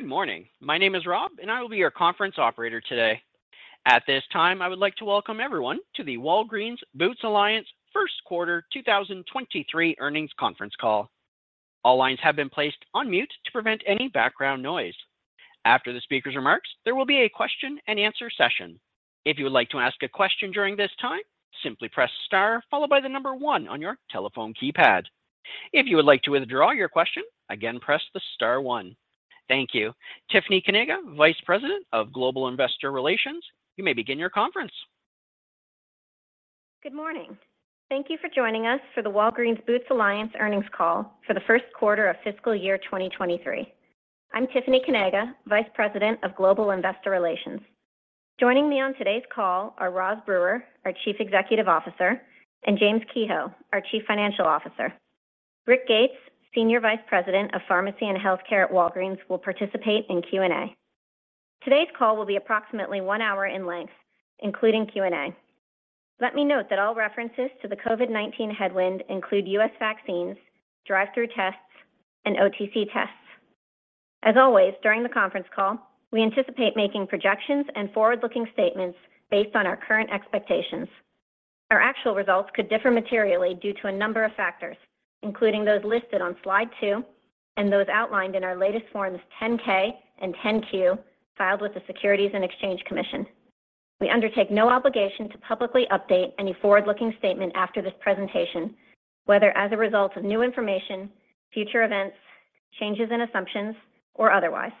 Good morning. My name is Rob, and I will be your conference operator today. At this time, I would like to welcome everyone to the Walgreens Boots Alliance first quarter 2023 earnings conference call. All lines have been placed on mute to prevent any background noise. After the speaker's remarks, there will be a question-and-answer session. If you would like to ask a question during this time, simply press star followed by the number one on your telephone keypad. If you would like to withdraw your question, again, press the star one. Thank you. Tiffany Kanaga, Vice President of Global Investor Relations, you may begin your conference. Good morning. Thank you for joining us for the Walgreens Boots Alliance earnings call for the first quarter of fiscal year 2023. I'm Tiffany Kanaga, Vice President of Global Investor Relations. Joining me on today's call are Roz Brewer, our Chief Executive Officer, and James Kehoe, our Chief Financial Officer. Rick Gates, Senior Vice President of Pharmacy and Healthcare at Walgreens, will participate in Q&A. Today's call will be approximately one hour in length, including Q&A. Let me note that all references to the COVID-19 headwind include U.S. vaccines, drive-through tests, and OTC tests. As always, during the conference call, we anticipate making projections and forward-looking statements based on our current expectations. Our actual results could differ materially due to a number of factors, including those listed on slide 2 and those outlined in our latest Forms 10-K and 10-Q filed with the Securities and Exchange Commission. We undertake no obligation to publicly update any forward-looking statement after this presentation, whether as a result of new information, future events, changes in assumptions or otherwise.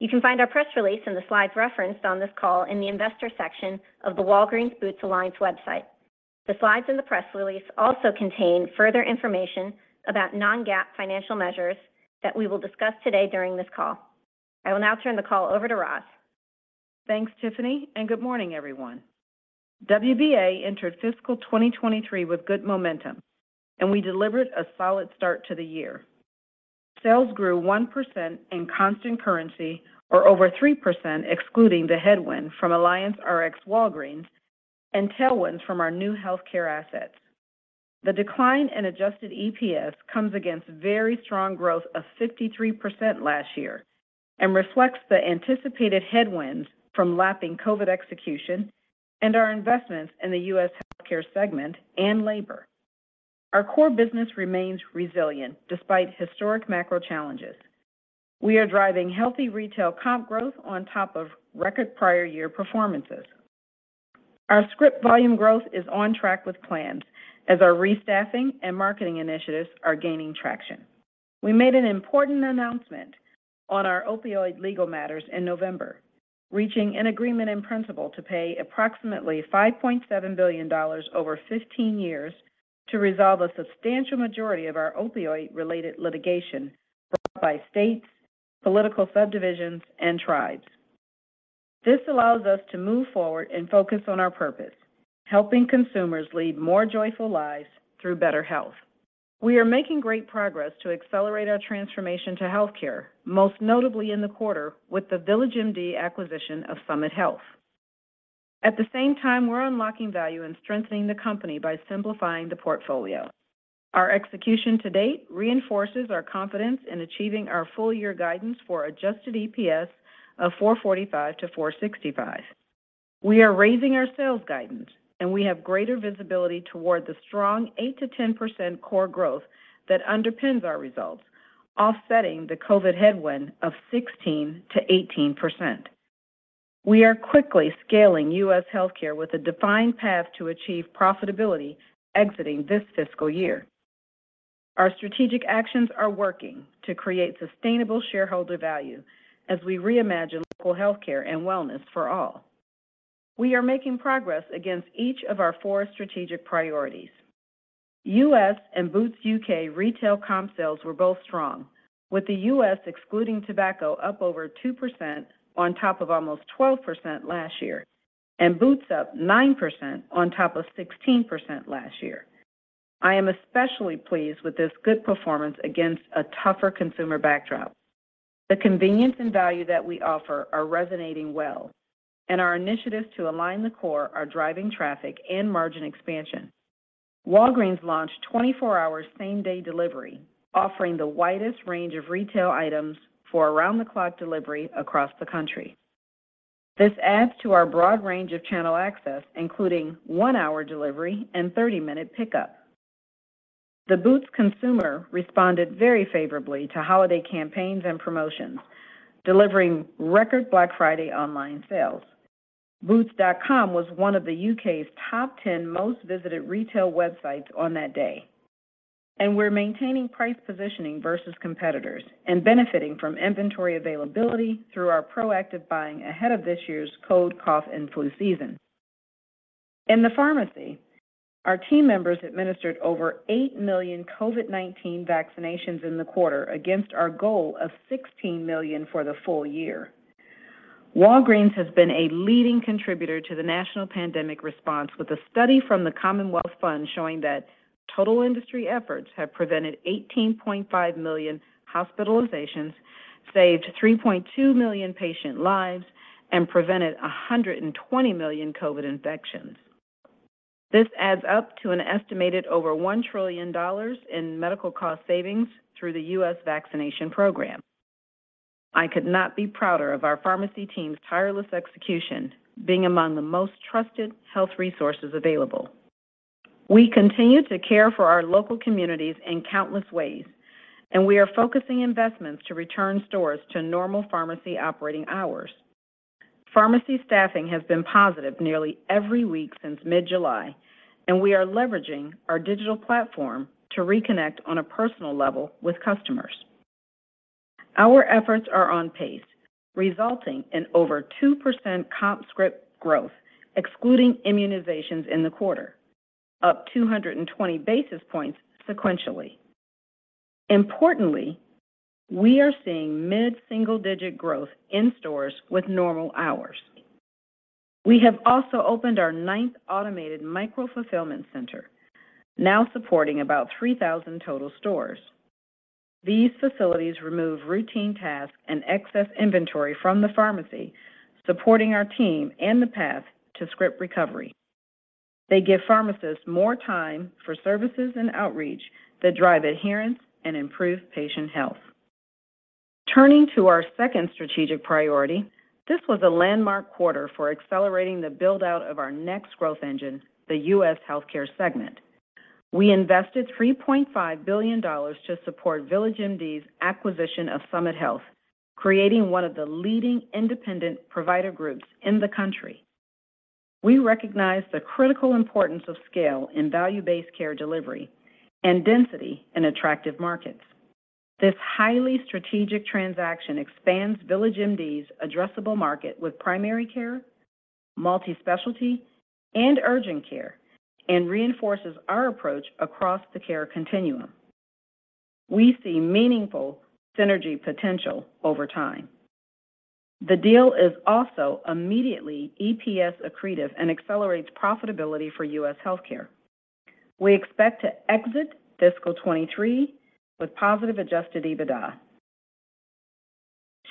You can find our press release and the slides referenced on this call in the investor section of the Walgreens Boots Alliance website. The slides in the press release also contain further information about non-GAAP financial measures that we will discuss today during this call. I will now turn the call over to Ros. Thanks, Tiffany. Good morning, everyone. WBA entered fiscal 2023 with good momentum. We delivered a solid start to the year. Sales grew 1% in constant currency or over 3% excluding the headwind from AllianceRx Walgreens and tailwinds from our new healthcare assets. The decline in adjusted EPS comes against very strong growth of 53% last year and reflects the anticipated headwinds from lapping COVID-19 execution and our investments in the U.S. Healthcare segment and labor. Our core business remains resilient despite historic macro challenges. We are driving healthy retail comp growth on top of record prior year performances. Our script volume growth is on track with plans as our restaffing and marketing initiatives are gaining traction. We made an important announcement on our opioid legal matters in November, reaching an agreement in principle to pay approximately $5.7 billion over 15 years to resolve a substantial majority of our opioid-related litigation brought by states, political subdivisions, and tribes. This allows us to move forward and focus on our purpose, helping consumers lead more joyful lives through better health. We are making great progress to accelerate our transformation to healthcare, most notably in the quarter with the VillageMD acquisition of Summit Health. At the same time, we're unlocking value and strengthening the company by simplifying the portfolio. Our execution to date reinforces our confidence in achieving our full year guidance for adjusted EPS of $4.45-$4.65. We are raising our sales guidance and we have greater visibility toward the strong 8%-10% core growth that underpins our results, offsetting the COVID-19 headwind of 16%-18%. We are quickly scaling U.S. Healthcare with a defined path to achieve profitability exiting this fiscal year. Our strategic actions are working to create sustainable shareholder value as we reimagine local healthcare and wellness for all. We are making progress against each of our four strategic priorities. U.S. and Boots U.K. retail comp sales were both strong, with the U.S. excluding tobacco up over 2% on top of almost 12% last year, and Boots up 9% on top of 16% last year. I am especially pleased with this good performance against a tougher consumer backdrop. The convenience and value that we offer are resonating well, and our initiatives to align the core are driving traffic and margin expansion. Walgreens launched 24-hour same-day delivery, offering the widest range of retail items for around-the-clock delivery across the country. This adds to our broad range of channel access, including onehour delivery and 30-minute pickup. The Boots consumer responded very favorably to holiday campaigns and promotions, delivering record Black Friday online sales. Boots.com was one of the U.K.'s top 10 most visited retail websites on that day. We're maintaining price positioning versus competitors and benefiting from inventory availability through our proactive buying ahead of this year's cold, cough, and flu season. In the pharmacy, our team members administered over 8 million COVID-19 vaccinations in the quarter against our goal of 16 million for the full year. Walgreens has been a leading contributor to the national pandemic response with a study from The Commonwealth Fund showing that total industry efforts have prevented 18.5 million hospitalizations, saved 3.2 million patient lives, and prevented 120 million COVID infections. This adds up to an estimated over $1 trillion in medical cost savings through the U.S. vaccination program. I could not be prouder of our pharmacy team's tireless execution being among the most trusted health resources available. We continue to care for our local communities in countless ways, and we are focusing investments to return stores to normal pharmacy operating hours. Pharmacy staffing has been positive nearly every week since mid-July, and we are leveraging our digital platform to reconnect on a personal level with customers. Our efforts are on pace, resulting in over 2% comp script growth, excluding immunizations in the quarter, up 220 basis points sequentially. We are seeing mid-single-digit growth in stores with normal hours. We have also opened our ninth automated micro-fulfillment center, now supporting about 3,000 total stores. These facilities remove routine tasks and excess inventory from the pharmacy, supporting our team and the path to script recovery. They give pharmacists more time for services and outreach that drive adherence and improve patient health. Turning to our second strategic priority, this was a landmark quarter for accelerating the build-out of our next growth engine, the U.S. Healthcare segment. We invested $3.5 billion to support VillageMD's acquisition of Summit Health, creating one of the leading independent provider groups in the country. We recognize the critical importance of scale in value-based care delivery and density in attractive markets. This highly strategic transaction expands VillageMD's addressable market with primary care, multi-specialty, and urgent care and reinforces our approach across the care continuum. We see meaningful synergy potential over time. The deal is also immediately EPS accretive and accelerates profitability for U.S. Healthcare. We expect to exit fiscal 2023 with positive adjusted EBITDA.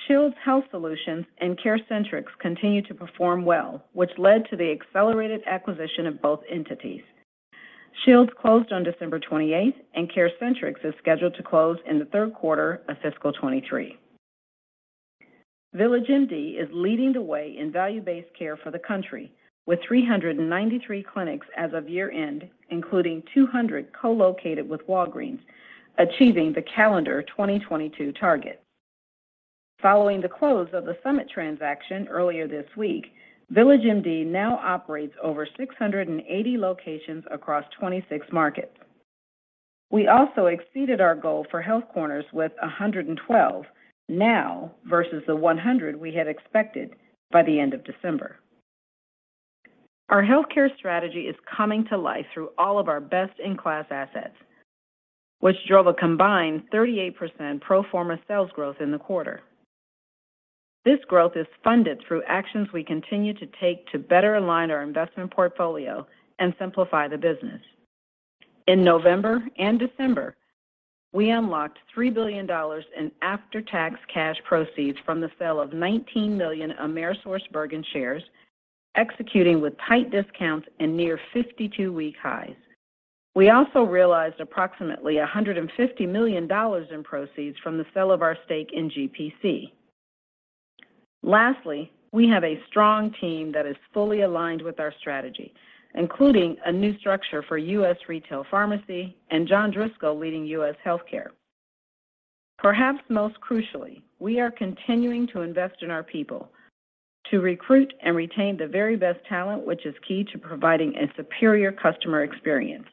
Shields Health Solutions and CareCentrix continue to perform well, which led to the accelerated acquisition of both entities. Shields closed on December 28th, and CareCentrix is scheduled to close in the third quarter of fiscal 2023. VillageMD is leading the way in value-based care for the country with 393 clinics as of year-end, including 200 co-located with Walgreens, achieving the calendar 2022 target. Following the close of the Summit transaction earlier this week, VillageMD now operates over 680 locations across 26 markets. We also exceeded our goal for Health Corners with 112 now versus the 100 we had expected by the end of December. Our healthcare strategy is coming to life through all of our best-in-class assets, which drove a combined 38% pro forma sales growth in the quarter. This growth is funded through actions we continue to take to better align our investment portfolio and simplify the business. In November and December, we unlocked $3 billion in after-tax cash proceeds from the sale of 19 million AmerisourceBergen shares, executing with tight discounts and near 52-week highs. We also realized approximately $150 million in proceeds from the sale of our stake in GPC. Lastly, we have a strong team that is fully aligned with our strategy, including a new structure for U.S. Retail Pharmacy and John Driscoll leading U.S. Healthcare. Perhaps most crucially, we are continuing to invest in our people to recruit and retain the very best talent, which is key to providing a superior customer experience.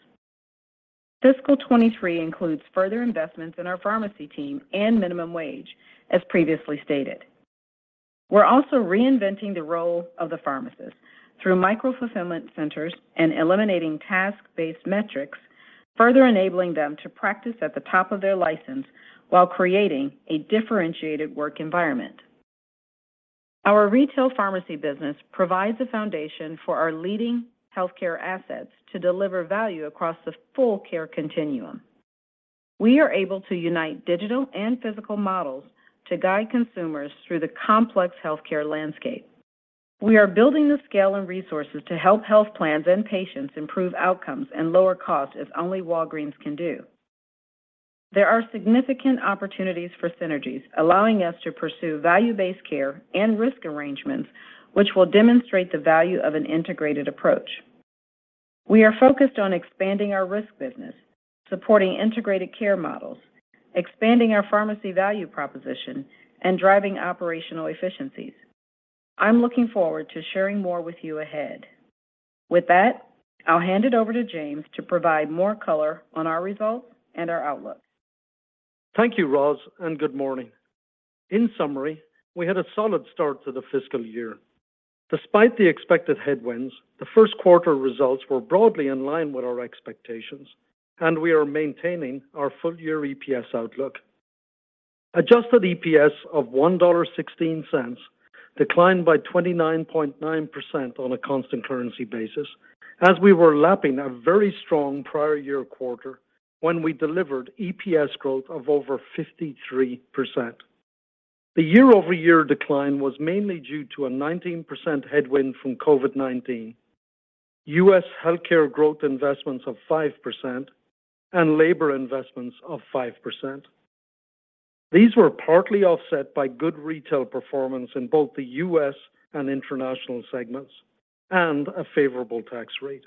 Fiscal 2023 includes further investments in our pharmacy team and minimum wage, as previously stated. We're also reinventing the role of the pharmacist through micro-fulfillment centers and eliminating task-based metrics, further enabling them to practice at the top of their license while creating a differentiated work environment. Our retail pharmacy business provides the foundation for our leading healthcare assets to deliver value across the full care continuum. We are able to unite digital and physical models to guide consumers through the complex healthcare landscape. We are building the scale and resources to help health plans and patients improve outcomes and lower costs as only Walgreens can do. There are significant opportunities for synergies, allowing us to pursue value-based care and risk arrangements which will demonstrate the value of an integrated approach. We are focused on expanding our risk business, supporting integrated care models, expanding our pharmacy value proposition, and driving operational efficiencies. I'm looking forward to sharing more with you ahead. With that, I'll hand it over to James to provide more color on our results and our outlook. Thank you, Ros. Good morning. In summary, we had a solid start to the fiscal year. Despite the expected headwinds, the first quarter results were broadly in line with our expectations, and we are maintaining our full-year EPS outlook. Adjusted EPS of $1.16 declined by 29.9% on a constant currency basis as we were lapping a very strong prior year quarter when we delivered EPS growth of over 53%. The year-over-year decline was mainly due to a 19% headwind from COVID-19, U.S. Healthcare growth investments of 5%, and labor investments of 5%. These were partly offset by good retail performance in both the U.S. and international segments and a favorable tax rate.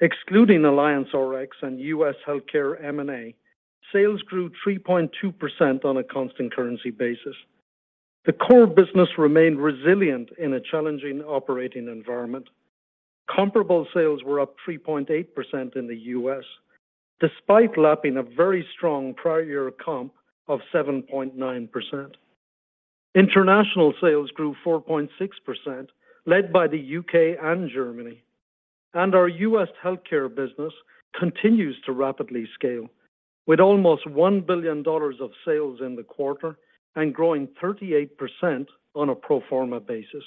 Excluding AllianceRx and U.S. Healthcare M&A, sales grew 3.2% on a constant currency basis. The core business remained resilient in a challenging operating environment. Comparable sales were up 3.8% in the U.S., despite lapping a very strong prior year comp of 7.9%. International sales grew 4.6%, led by the U.K. and Germany. Our U.S. Healthcare business continues to rapidly scale with almost $1 billion of sales in the quarter and growing 38% on a pro forma basis.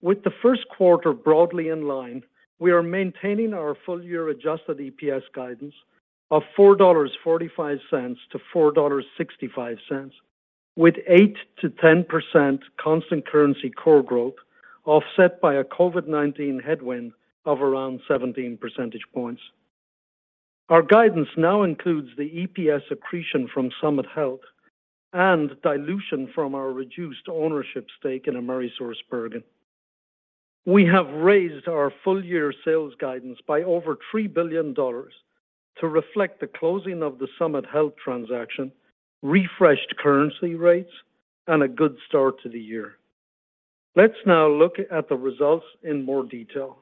With the first quarter broadly in line, we are maintaining our full year adjusted EPS guidance of $4.45-$4.65, with 8%-10% constant currency core growth, offset by a COVID-19 headwind of around 17 percentage points. Our guidance now includes the EPS accretion from Summit Health and dilution from our reduced ownership stake in AmerisourceBergen. We have raised our full year sales guidance by over $3 billion to reflect the closing of the Summit Health transaction, refreshed currency rates, and a good start to the year. Let's now look at the results in more detail.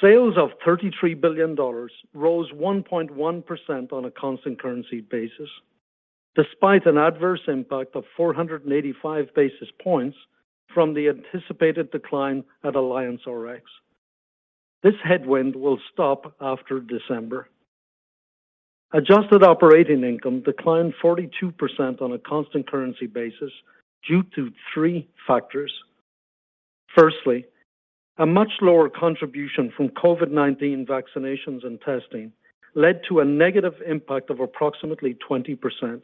Sales of $33 billion rose 1.1% on a constant currency basis, despite an adverse impact of 485 basis points from the anticipated decline at AllianceRx. This headwind will stop after December. Adjusted operating income declined 42% on a constant currency basis due to three factors. Firstly, a much lower contribution from COVID-19 vaccinations and testing led to a negative impact of approximately 20%.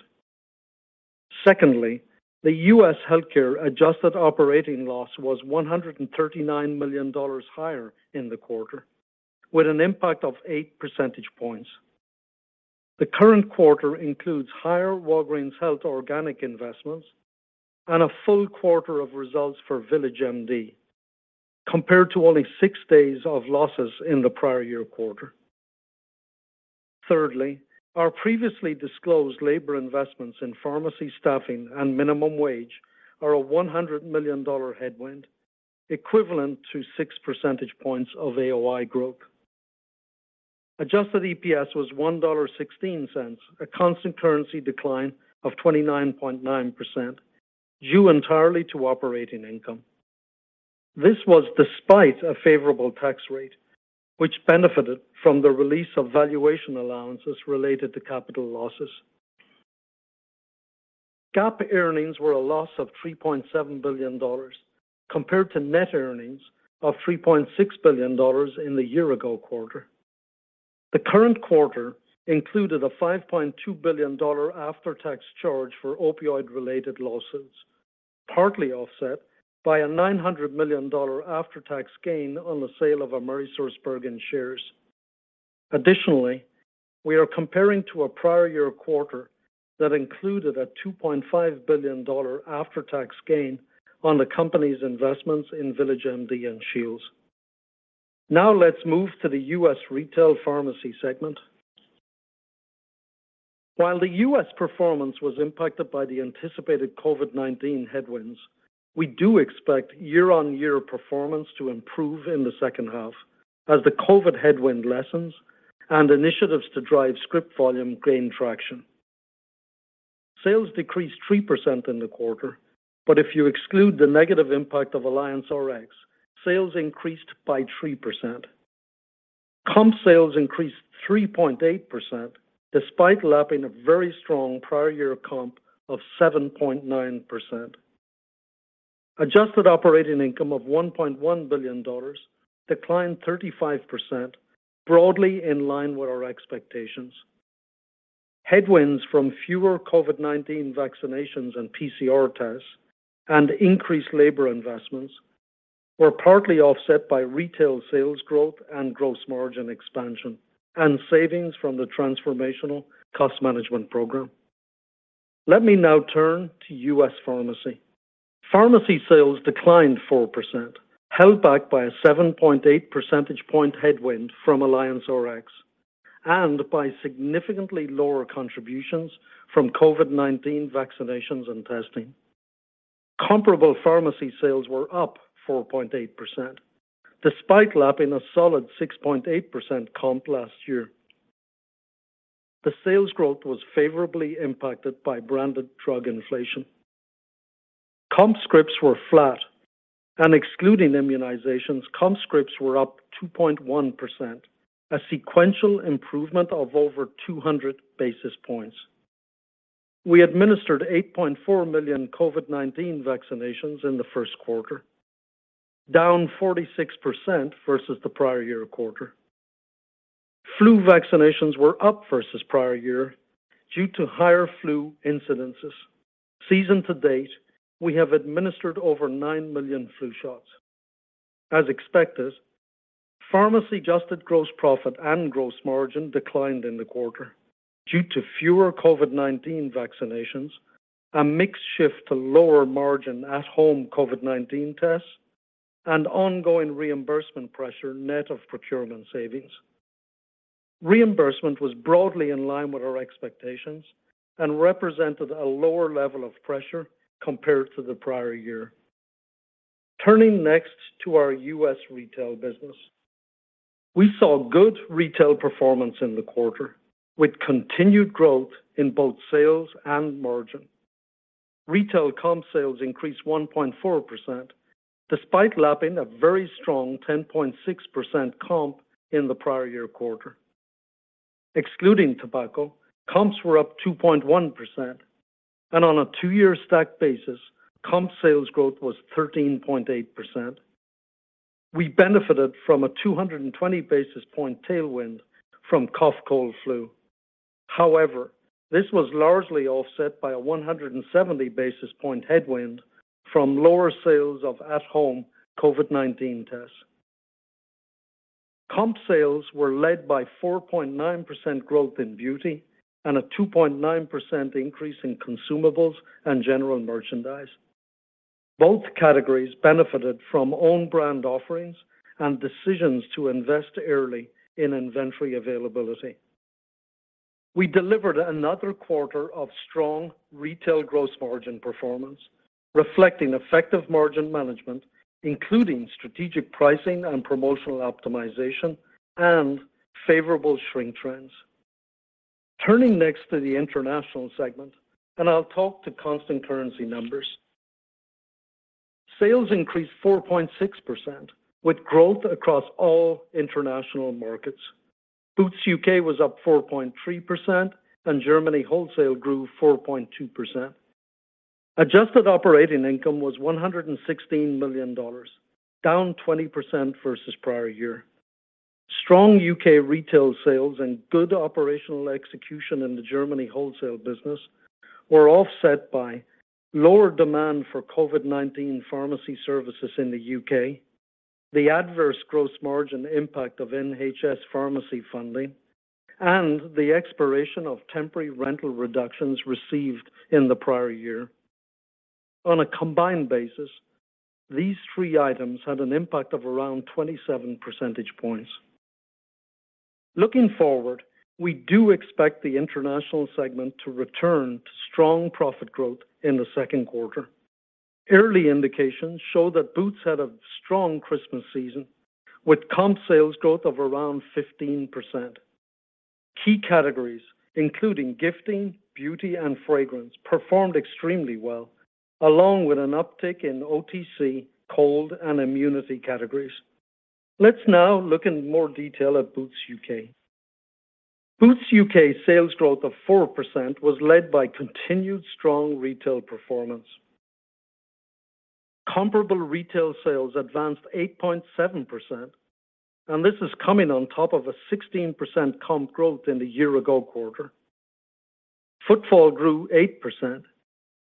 Secondly, the U.S. Healthcare adjusted operating loss was $139 million higher in the quarter, with an impact of eight percentage points. The current quarter includes higher Walgreens Health organic investments and a full quarter of results for VillageMD, compared to only six days of losses in the prior year quarter. Thirdly, our previously disclosed labor investments in pharmacy staffing and minimum wage are a $100 million headwind, equivalent to six percentage points of AOI growth. Adjusted EPS was $1.16, a constant currency decline of 29.9%, due entirely to operating income. This was despite a favorable tax rate, which benefited from the release of valuation allowances related to capital losses. GAAP earnings were a loss of $3.7 billion compared to net earnings of $3.6 billion in the year-ago quarter. The current quarter included a $5.2 billion after-tax charge for opioid-related losses, partly offset by a $900 million after-tax gain on the sale of AmerisourceBergen shares. Additionally, we are comparing to a prior year quarter that included a $2.5 billion after-tax gain on the company's investments in VillageMD and Shields. Let's move to the U.S. Retail Pharmacy segment. While the U.S. performance was impacted by the anticipated COVID-19 headwinds, we do expect year-on-year performance to improve in the second half as the COVID headwind lessens and initiatives to drive script volume gain traction. Sales decreased 3% in the quarter, if you exclude the negative impact of AllianceRx, sales increased by 3%. Comp sales increased 3.8% despite lapping a very strong prior year comp of 7.9%. Adjusted operating income of $1.1 billion declined 35%, broadly in line with our expectations. Headwinds from fewer COVID-19 vaccinations and PCR tests and increased labor investments were partly offset by retail sales growth and gross margin expansion and savings from the Transformational Cost Management Program. Let me now turn to U.S. Pharmacy. Pharmacy sales declined 4%, held back by a 7.8 percentage point headwind from AllianceRx and by significantly lower contributions from COVID-19 vaccinations and testing. Comparable pharmacy sales were up 4.8%, despite lapping a solid 6.8% comp last year. The sales growth was favorably impacted by branded drug inflation. comp scripts were flat and excluding immunizations, comp scripts were up 2.1%, a sequential improvement of over 200 basis points. We administered 8.4 million COVID-19 vaccinations in the first quarter, down 46% versus the prior year quarter. Flu vaccinations were up versus prior year due to higher flu incidences. Season to date, we have administered over nine million flu shots. As expected, pharmacy adjusted gross profit and gross margin declined in the quarter due to fewer COVID-19 vaccinations, a mix shift to lower margin at-home COVID-19 tests, and ongoing reimbursement pressure net of procurement savings. Reimbursement was broadly in line with our expectations and represented a lower level of pressure compared to the prior year. Turning next to our U.S. retail business. We saw good retail performance in the quarter with continued growth in both sales and margin. Retail comp sales increased 1.4% despite lapping a very strong 10.6% comp in the prior year quarter. Excluding tobacco, comps were up 2.1%. On a two year stack basis, comp sales growth was 13.8%. We benefited from a 220 basis point tailwind from cough, cold, flu. However, this was largely offset by a 170 basis point headwind from lower sales of at home COVID-19 tests. Comp sales were led by 4.9% growth in beauty and a 2.9% increase in consumables and general merchandise. Both categories benefited from own brand offerings and decisions to invest early in inventory availability. We delivered another quarter of strong retail gross margin performance, reflecting effective margin management, including strategic pricing and promotional optimization and favorable shrink trends. Turning next to the international segment. I'll talk to constant currency numbers. Sales increased 4.6% with growth across all international markets. Boots U.K. Was up 4.3% and Germany wholesale grew 4.2%. Adjusted operating income was $116 million, down 20% versus prior year. Strong U.K. Retail sales and good operational execution in the Germany wholesale business were offset by lower demand for COVID-19 pharmacy services in the U.K., the adverse gross margin impact of NHS pharmacy funding, and the expiration of temporary rental reductions received in the prior year. On a combined basis, these three items had an impact of around 27 percentage points. Looking forward, we do expect the international segment to return to strong profit growth in the second quarter. Early indications show that Boots had a strong Christmas season with comp sales growth of around 15%. Key categories, including gifting, beauty, and fragrance, performed extremely well, along with an uptick in OTC cold and immunity categories. Let's now look in more detail at Boots U.K. Boots U.K. sales growth of 4% was led by continued strong retail performance. Comparable retail sales advanced 8.7%, and this is coming on top of a 16% comp growth in the year-ago quarter. Footfall grew 8%,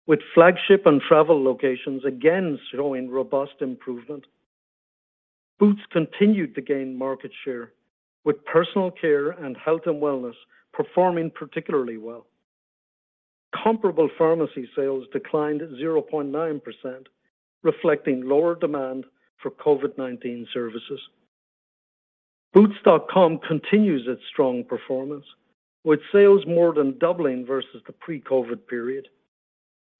with flagship and travel locations again showing robust improvement. Boots continued to gain market share with personal care and health and wellness performing particularly well. Comparable pharmacy sales declined 0.9%, reflecting lower demand for COVID-19 services. Boots.com continues its strong performance with sales more than doubling versus the pre-COVID period.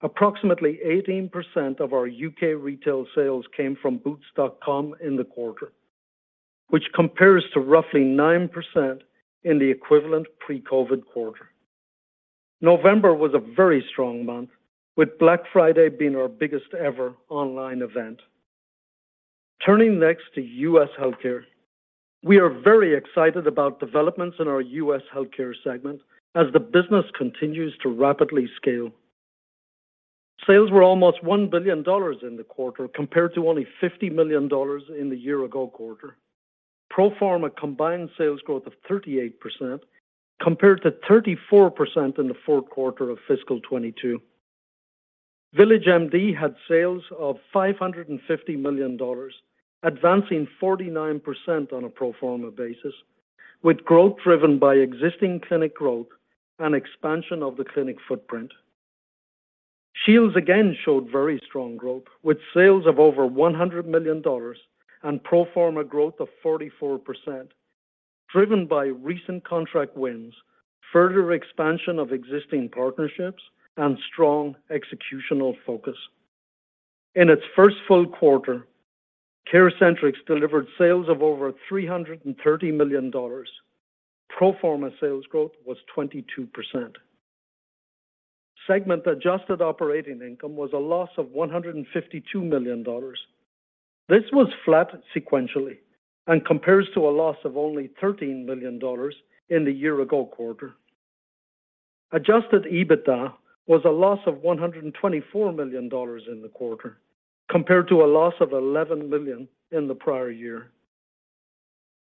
Approximately 18% of our U.K. retail sales came from Boots.com in the quarter, which compares to roughly 9% in the equivalent pre-COVID quarter. November was a very strong month, with Black Friday being our biggest ever online event. Turning next to U.S. Healthcare. We are very excited about developments in our U.S. Healthcare segment as the business continues to rapidly scale. Sales were almost $1 billion in the quarter, compared to only $50 million in the year-ago quarter. Pro forma combined sales growth of 38% compared to 34% in the fourth quarter of fiscal 2022. VillageMD had sales of $550 million, advancing 49% on a pro forma basis, with growth driven by existing clinic growth and expansion of the clinic footprint. Shields again showed very strong growth, with sales of over $100 million and pro forma growth of 44%, driven by recent contract wins, further expansion of existing partnerships, and strong executional focus. In its first full quarter, CareCentrix delivered sales of over $330 million. Pro forma sales growth was 22%. Segment adjusted operating income was a loss of $152 million. This was flat sequentially and compares to a loss of only $13 million in the year-ago quarter. Adjusted EBITDA was a loss of $124 million in the quarter, compared to a loss of $11 million in the prior year.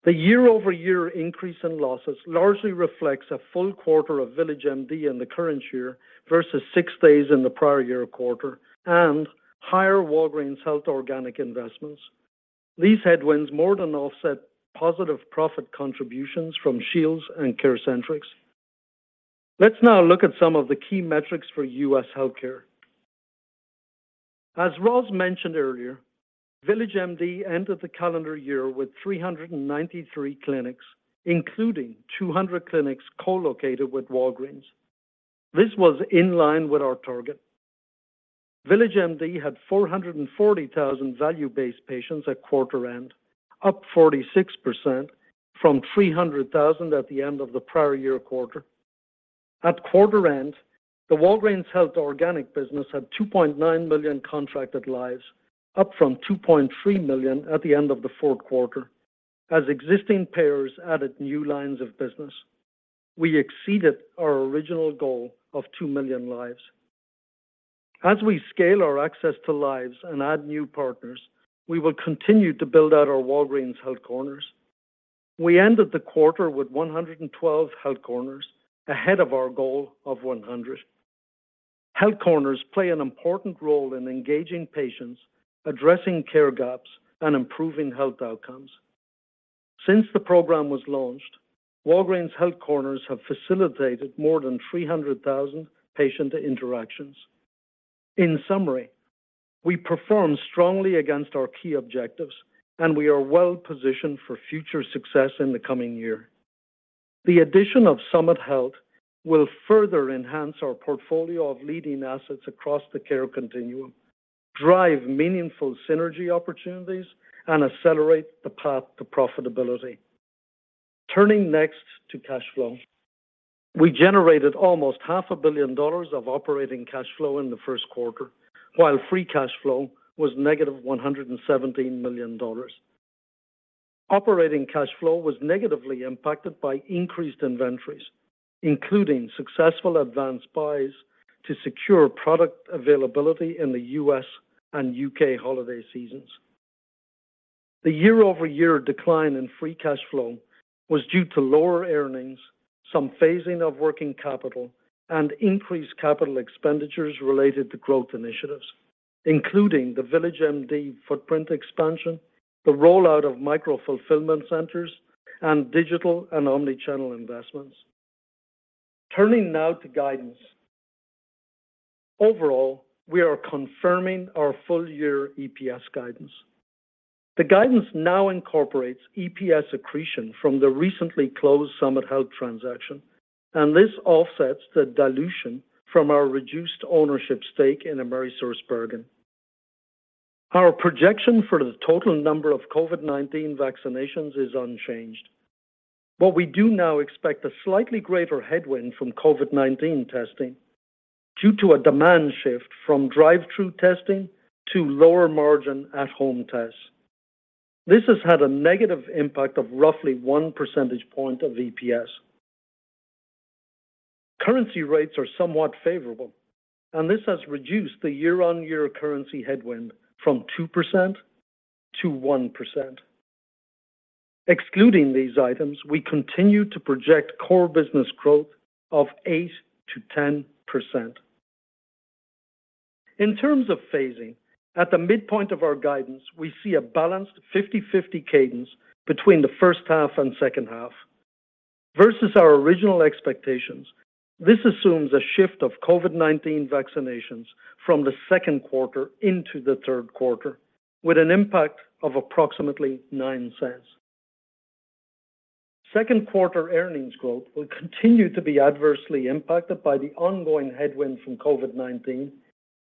The year-over-year increase in losses largely reflects a full quarter of VillageMD in the current year versus six days in the prior year quarter and higher Walgreens Health organic investments. These headwinds more than offset positive profit contributions from Shields and CareCentrix. Let's now look at some of the key metrics for U.S. Healthcare. As Ros mentioned earlier, VillageMD ended the calendar year with 393 clinics, including 200 clinics co-located with Walgreens. This was in line with our target. VillageMD had 440,000 value-based patients at quarter end, up 46% from 300,000 at the end of the prior year quarter. At quarter end, the Walgreens Health organic business had 2.9 million contracted lives, up from 2.3 million at the end of the fourth quarter, as existing payers added new lines of business. We exceeded our original goal of two million lives. As we scale our access to lives and add new partners, we will continue to build out our Walgreens Health Corners. We ended the quarter with 112 Health Corners, ahead of our goal of 100. Health Corners play an important role in engaging patients, addressing care gaps, and improving health outcomes. Since the program was launched, Walgreens Health Corners have facilitated more than 300,000 patient interactions. In summary, we performed strongly against our key objectives, and we are well positioned for future success in the coming year. The addition of Summit Health will further enhance our portfolio of leading assets across the care continuum, drive meaningful synergy opportunities, and accelerate the path to profitability. Turning next to cash flow. We generated almost half a billion dollars of operating cash flow in the first quarter, while free cash flow was negative $117 million. Operating cash flow was negatively impacted by increased inventories, including successful advance buys to secure product availability in the U.S. and U.K. holiday seasons. The year-over-year decline in free cash flow was due to lower earnings, some phasing of working capital, and increased capital expenditures related to growth initiatives, including the VillageMD footprint expansion, the rollout of micro-fulfillment centers, and digital and omni-channel investments. Turning now to guidance. Overall, we are confirming our full-year EPS guidance. The guidance now incorporates EPS accretion from the recently closed Summit Health transaction, this offsets the dilution from our reduced ownership stake in AmerisourceBergen. Our projection for the total number of COVID-19 vaccinations is unchanged, we do now expect a slightly greater headwind from COVID-19 testing due to a demand shift from drive-through testing to lower-margin at-home tests. This has had a negative impact of roughly one percentage point of EPS. Currency rates are somewhat favorable, this has reduced the year-on-year currency headwind from 2%-1%. Excluding these items, we continue to project core business growth of 8%-10%. In terms of phasing, at the midpoint of our guidance, we see a balanced 50/50 cadence between the first half and second half. Versus our original expectations, this assumes a shift of COVID-19 vaccinations from the second quarter into the third quarter, with an impact of approximately $0.09. Second quarter earnings growth will continue to be adversely impacted by the ongoing headwind from COVID-19,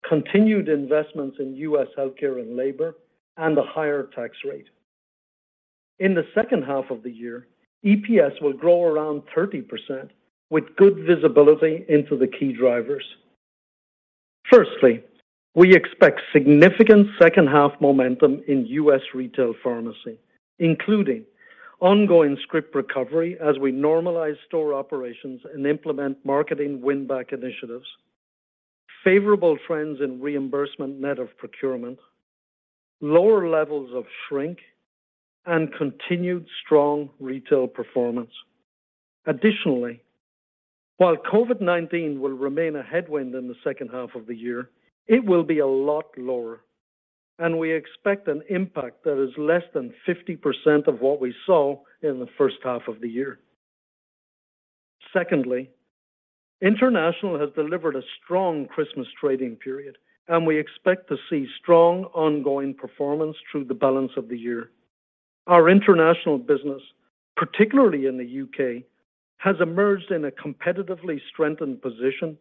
continued investments in U.S. Healthcare and labor, and a higher tax rate. In the second half of the year, EPS will grow around 30% with good visibility into the key drivers. We expect significant second half momentum in U.S. Retail Pharmacy, including ongoing script recovery as we normalize store operations and implement marketing win-back initiatives, favorable trends in reimbursement net of procurement, lower levels of shrink, and continued strong retail performance. Additionally, while COVID-19 will remain a headwind in the second half of the year, it will be a lot lower, and we expect an impact that is less than 50% of what we saw in the first half of the year. Secondly, International has delivered a strong Christmas trading period. We expect to see strong ongoing performance through the balance of the year. Our International business, particularly in the U.K., has emerged in a competitively strengthened position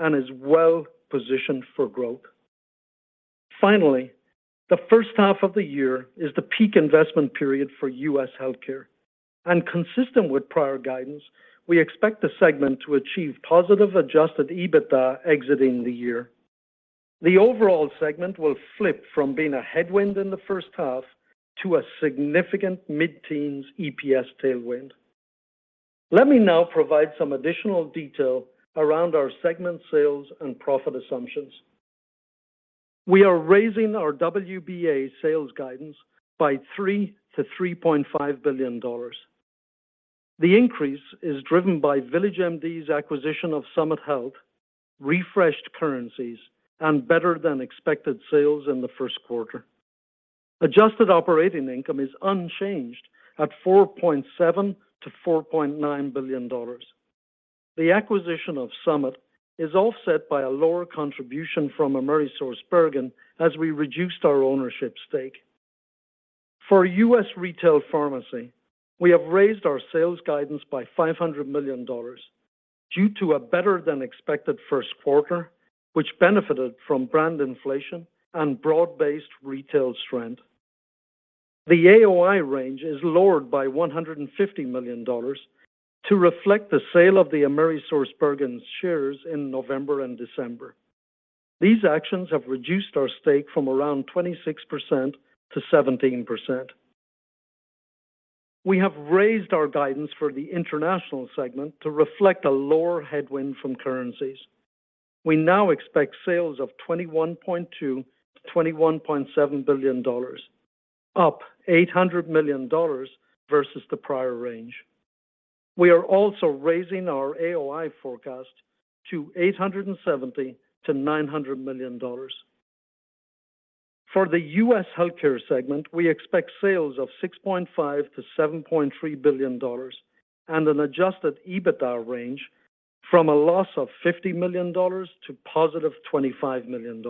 and is well-positioned for growth. Finally, the first half of the year is the peak investment period for U.S. Healthcare. Consistent with prior guidance, we expect the segment to achieve positive adjusted EBITDA exiting the year. The overall segment will flip from being a headwind in the first half to a significant mid-teens EPS tailwind. Let me now provide some additional detail around our segment sales and profit assumptions. We are raising our WBA sales guidance by $3 billion-$3.5 billion. The increase is driven by VillageMD's acquisition of Summit Health, refreshed currencies, and better than expected sales in the first quarter. Adjusted operating income is unchanged at $4.7 billion-$4.9 billion. The acquisition of Summit is offset by a lower contribution from AmerisourceBergen as we reduced our ownership stake. For U.S. Retail Pharmacy, we have raised our sales guidance by $500 million due to a better than expected first quarter, which benefited from brand inflation and broad-based retail strength. The AOI range is lowered by $150 million to reflect the sale of the AmerisourceBergen shares in November and December. These actions have reduced our stake from around 26%-17%. We have raised our guidance for the International segment to reflect a lower headwind from currencies. We now expect sales of $21.2 billion-$21.7 billion, up $800 million versus the prior range. We are also raising our AOI forecast to $870 million-$900 million. For the U.S. Healthcare segment, we expect sales of $6.5 billion-$7.3 billion and an adjusted EBITDA range from a loss of $50 million to positive $25 million.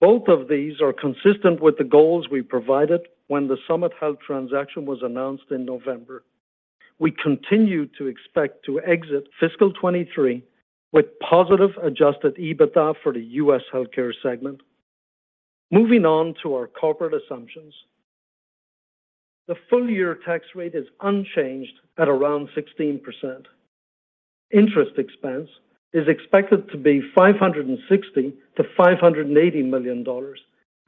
Both of these are consistent with the goals we provided when the Summit Health transaction was announced in November. We continue to expect to exit fiscal 2023 with positive adjusted EBITDA for the U.S. Healthcare segment. Moving on to our corporate assumptions. The full-year tax rate is unchanged at around 16%. Interest expense is expected to be $560 million-$580 million,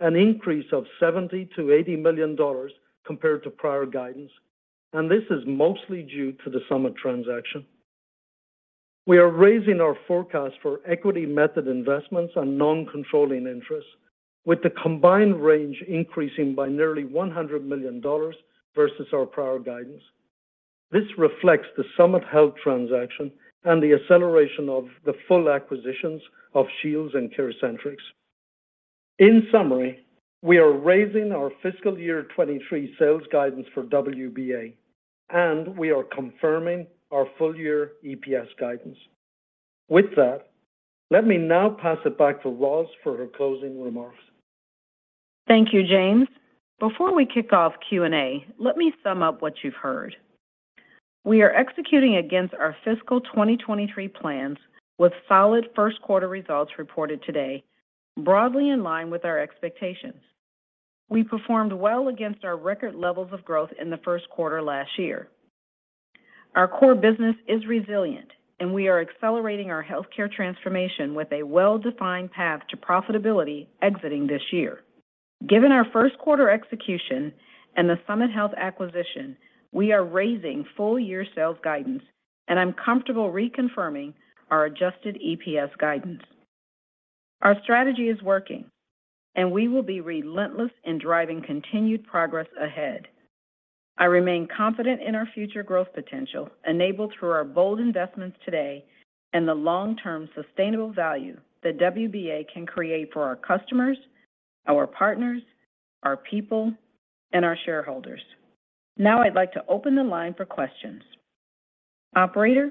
an increase of $70 million-$80 million compared to prior guidance. This is mostly due to the Summit Health transaction. We are raising our forecast for equity method investments and non-controlling interests, with the combined range increasing by nearly $100 million versus our prior guidance. This reflects the Summit Health transaction and the acceleration of the full acquisitions of Shields and CareCentrix. In summary, we are raising our fiscal year 2023 sales guidance for WBA. We are confirming our full-year EPS guidance. With that, let me now pass it back to Ros for her closing remarks. Thank you, James. Before we kick off Q&A, let me sum up what you've heard. We are executing against our fiscal 2023 plans with solid first quarter results reported today, broadly in line with our expectations. We performed well against our record levels of growth in the first quarter last year. Our core business is resilient. We are accelerating our healthcare transformation with a well-defined path to profitability exiting this year. Given our first quarter execution and the Summit Health acquisition, we are raising full-year sales guidance. I'm comfortable reconfirming our adjusted EPS guidance. Our strategy is working. We will be relentless in driving continued progress ahead. I remain confident in our future growth potential enabled through our bold investments today and the long-term sustainable value that WBA can create for our customers, our partners, our people, and our shareholders. Now I'd like to open the line for questions. Operator?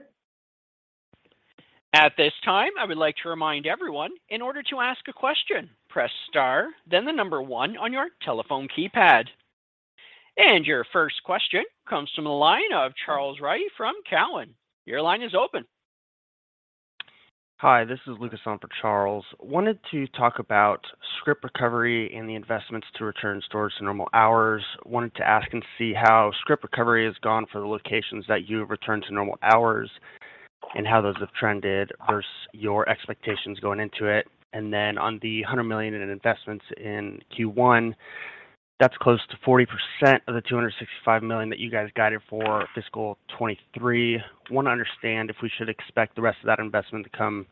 At this time, I would like to remind everyone in order to ask a question, press star, then the number one on your telephone keypad. Your first question comes from the line of Charles Rhyee from Cowen. Your line is open. Hi, this is Lucas on for Charles. Wanted to talk about script recovery and the investments to return stores to normal hours. Wanted to ask and see how script recovery has gone for the locations that you have returned to normal hours and how those have trended versus your expectations going into it. On the $100 million in investments in Q1, that's close to 40% of the $265 million that you guys guided for fiscal 2023. Wanna understand if we should expect the rest of that investment to come,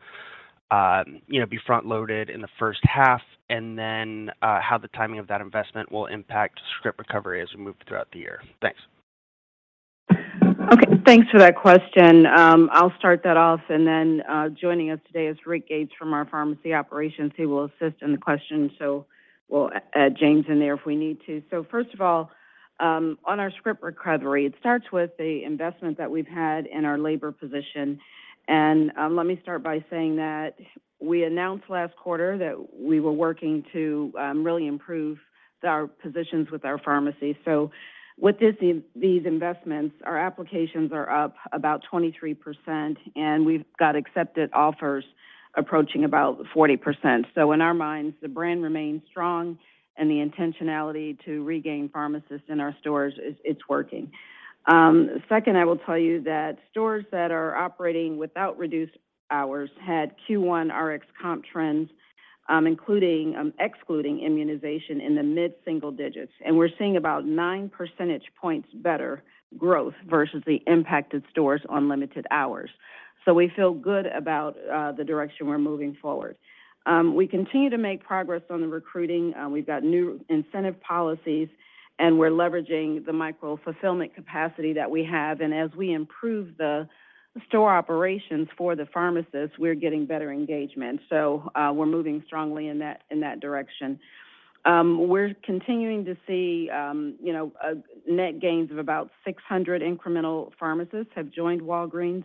you know, be front-loaded in the first half, how the timing of that investment will impact script recovery as we move throughout the year. Thanks. Okay. Thanks for that question. I'll start that off, and then joining us today is Rick Gates from our Pharmacy Operations, who will assist in the question. We'll add James in there if we need to. First of all, on our script recovery, it starts with the investment that we've had in our labor position. Let me start by saying that we announced last quarter that we were working to really improve our positions with our pharmacy. With these investments, our applications are up about 23%, and we've got accepted offers approaching about 40%. In our minds, the brand remains strong and the intentionality to regain pharmacists in our stores, it's working. Second, I will tell you that stores that are operating without reduced hours had Q1 RX comp trends, including, excluding immunization in the mid-single digits. We're seeing about nine percentage points better growth versus the impacted stores on limited hours. We feel good about the direction we're moving forward. We continue to make progress on the recruiting. We've got new incentive policies, and we're leveraging the micro-fulfillment capacity that we have. As we improve the store operations for the pharmacists, we're getting better engagement. We're moving strongly in that, in that direction. We're continuing to see, you know, a net gains of about 600 incremental pharmacists have joined Walgreens.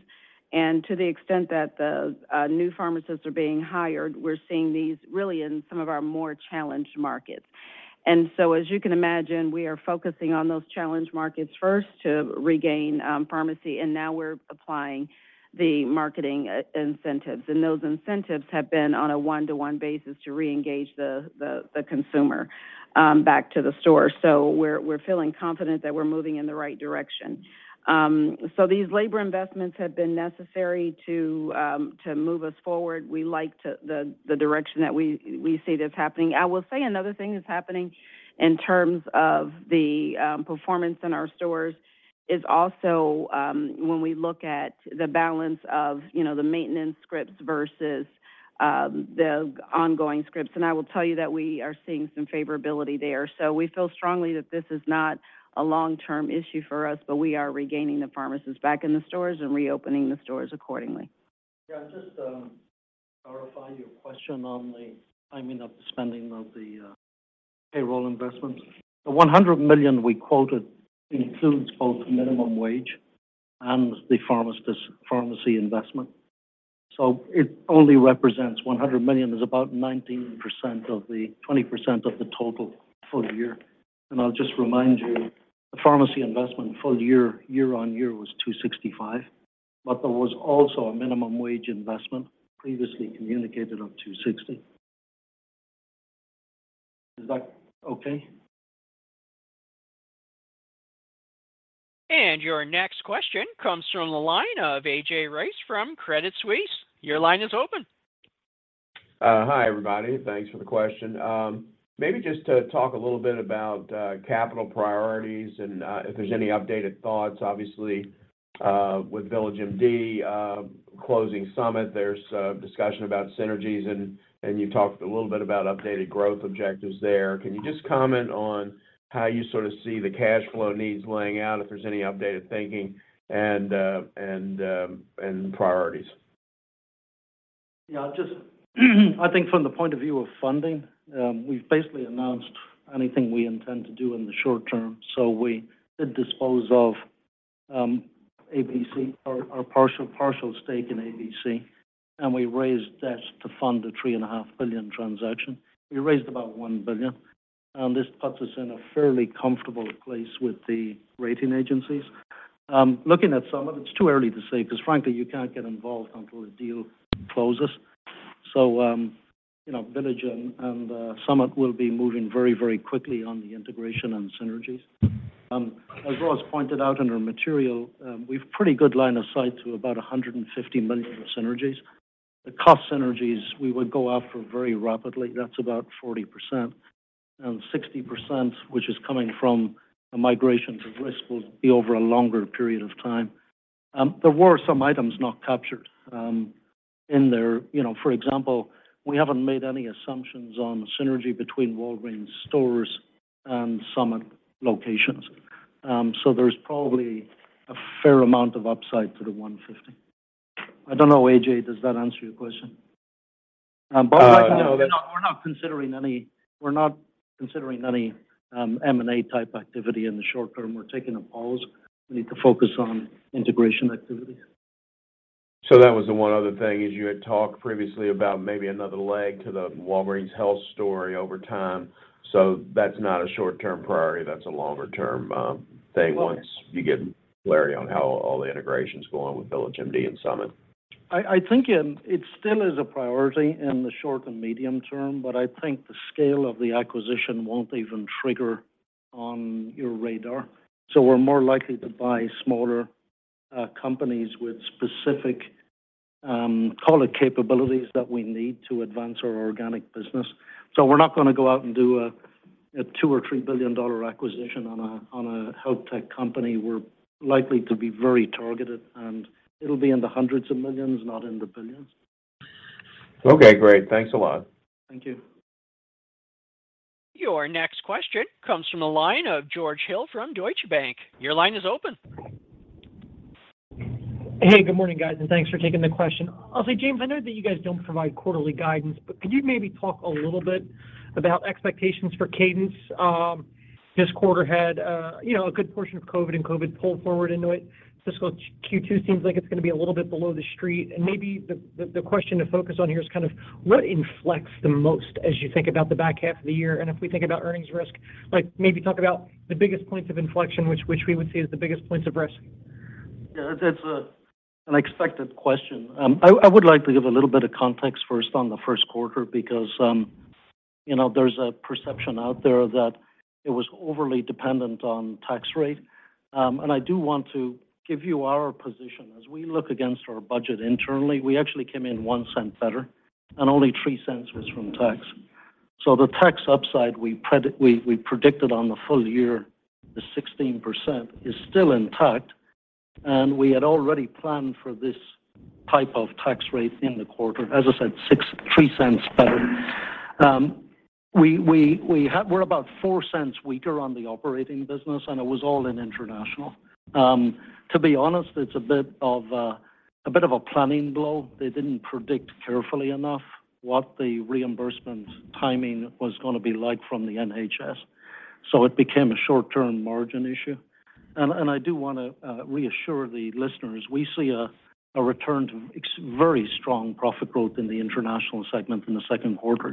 To the extent that the new pharmacists are being hired, we're seeing these really in some of our more challenged markets. As you can imagine, we are focusing on those challenged markets first to regain pharmacy, and now we're applying the marketing incentives. Those incentives have been on a one-to-one basis to reengage the consumer back to the store. We're feeling confident that we're moving in the right direction. These labor investments have been necessary to move us forward. The direction that we see this happening. I will say another thing that's happening in terms of the performance in our stores is also when we look at the balance of, you know, the maintenance scripts versus the ongoing scripts, and I will tell you that we are seeing some favorability there. We feel strongly that this is not a long-term issue for us, but we are regaining the pharmacists back in the stores and reopening the stores accordingly. Yeah, just to clarify your question on the timing of the spending of the payroll investment. The $100 million we quoted includes both the minimum wage and the pharmacy investment. It only represents $100 million. There's about 19%-20% of the total full year. I'll just remind you, the pharmacy investment full year on year was $265 million, but there was also a minimum wage investment previously communicated of $260 million. Is that okay? Your next question comes from the line of A.J. Rice from Credit Suisse. Your line is open. Hi, everybody. Thanks for the question. Maybe just to talk a little bit about capital priorities and if there's any updated thoughts, obviously, with VillageMD, closing Summit, there's a discussion about synergies and you talked a little bit about updated growth objectives there. Can you just comment on how you sort of see the cash flow needs laying out, if there's any updated thinking and priorities? Yeah, just I think from the point of view of funding, we've basically announced anything we intend to do in the short term. We did dispose of ABC, our partial stake in ABC, and we raised debt to fund the $3.5 billion transaction. We raised about $1 billion. This puts us in a fairly comfortable place with the rating agencies. Looking at some of it's too early to say because frankly, you can't get involved until the deal closes. You know, Village and Summit will be moving very, very quickly on the integration and synergies. As Roz pointed out in her material, we've pretty good line of sight to about $150 million of synergies. The cost synergies we would go after very rapidly, that's about 40%. 60%, which is coming from a migration to risk, will be over a longer period of time. There were some items not captured in there. You know, for example, we haven't made any assumptions on synergy between Walgreens stores and Summit locations. There's probably a fair amount of upside to the $150. I don't know, AJ, does that answer your question? We're not considering any M&A type activity in the short term. We're taking a pause. We need to focus on integration activities. That was the one other thing is you had talked previously about maybe another leg to the Walgreens Health story over time. That's not a short-term priority. That's a longer-term thing once you get clarity on how all the integration is going with VillageMD and Summit Health. I think it still is a priority in the short and medium term. I think the scale of the acquisition won't even trigger on your radar. We're more likely to buy smaller companies with specific call it capabilities that we need to advance our organic business. We're not gonna go out and do a $2 billion or $3 billion acquisition on a health tech company. We're likely to be very targeted, and it'll be in the hundreds of millions, not in the billions. Okay, great. Thanks a lot. Thank you. Your next question comes from the line of George Hill from Deutsche Bank. Your line is open. Hey, good morning, guys, and thanks for taking the question. I'll say, James, I know that you guys don't provide quarterly guidance, but could you maybe talk a little bit about expectations for cadence? This quarter had, you know, a good portion of COVID-19 and COVID-19 pull forward into it. Fiscal Q2 seems like it's gonna be a little bit below the street. Maybe the question to focus on here is kind of what inflects the most as you think about the back half of the year? If we think about earnings risk, like maybe talk about the biggest points of inflection, which we would see as the biggest points of risk? Yeah, that's an expected question. I would like to give a little bit of context first on the first quarter because, you know, there's a perception out there that it was overly dependent on tax rate. I do want to give you our position. As we look against our budget internally, we actually came in $0.01 Better, only $0.03 was from tax. The tax upside we predicted on the full year is 16% is still intact, we had already planned for this type of tax rate in the quarter. As I said, $0.03 Better. We're about $0.04 weaker on the operating business, it was all in international. To be honest, it's a bit of a planning blow. They didn't predict carefully enough what the reimbursement timing was gonna be like from the NHS, so it became a short-term margin issue. I do wanna reassure the listeners, we see a return to very strong profit growth in the international segment in the second quarter.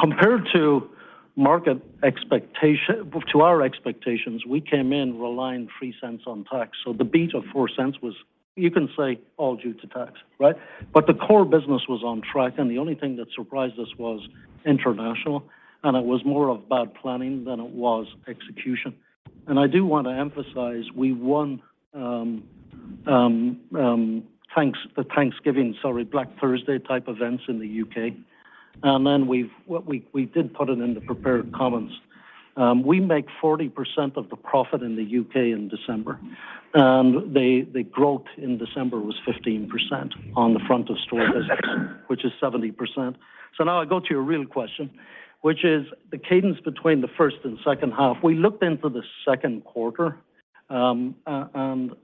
Compared to market to our expectations, we came in relying $0.03 on tax. The beat of $0.04 was, you can say, all due to tax, right? The core business was on track, and the only thing that surprised us was international, and it was more of bad planning than it was execution. I do want to emphasize, we won the Thanksgiving, sorry, Black Thursday type events in the U.K. What we did put it in the prepared comments. We make 40% of the profit in the U.K. in December. The growth in December was 15% on the front of store business, which is 70%. Now I go to your real question, which is the cadence between the first and second half. We looked into the second quarter, you know,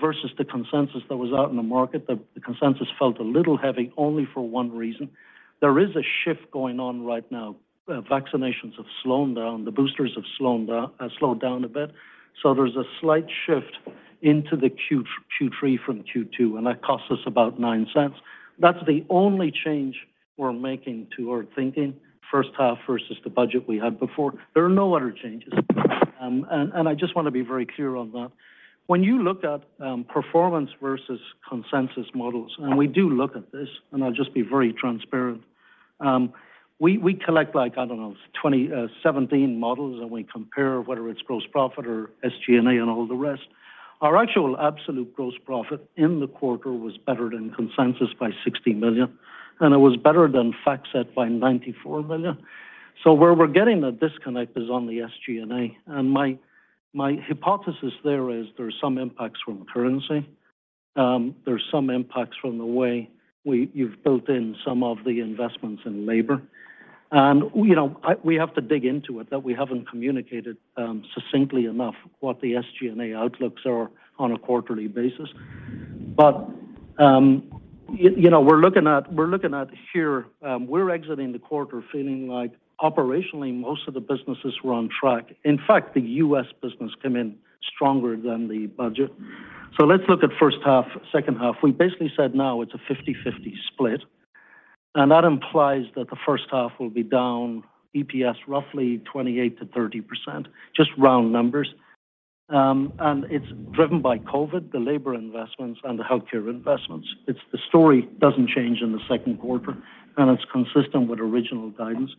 versus the consensus that was out in the market, the consensus felt a little heavy only for one reason. There is a shift going on right now. Vaccinations have slowed down. The boosters have slowed down a bit. There's a slight shift into the Q3 from Q2. That cost us about $0.09. That's the only change we're making to our thinking, first half versus the budget we had before. There are no other changes. I just wanna be very clear on that. When you look at performance versus consensus models, we do look at this, and I'll just be very transparent, we collect like, I don't know, 20, 17 models, and we compare whether it's gross profit or SG&A and all the rest. Our actual absolute gross profit in the quarter was better than consensus by $60 million, and it was better than FactSet by $94 million. Where we're getting the disconnect is on the SG&A. My, my hypothesis there is there's some impacts from currency. There's some impacts from the way you've built in some of the investments in labor. You know, we have to dig into it, that we haven't communicated succinctly enough what the SG&A outlooks are on a quarterly basis. You know, we're looking at here, we're exiting the quarter feeling like operationally most of the businesses were on track. In fact, the U.S. business came in stronger than the budget. Let's look at first half, second half. We basically said now it's a 50/50 split, and that implies that the first half will be down EPS roughly 28%-30%, just round numbers. It's driven by COVID, the labor investments, and the healthcare investments. It's the story doesn't change in the second quarter, and it's consistent with original guidance.